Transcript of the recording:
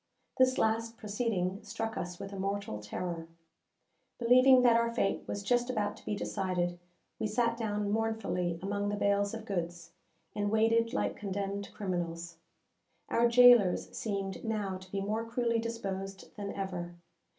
This last proceeding struck us with a mortal terror. Believing that our fate was just about to be decided, we sat down mournfully among the bales of goods, and waited like condemned criminals. Our jailers seemed now to be more cruelly disposed than ever.